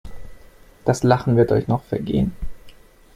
Das Lachen wird euch noch vergehen.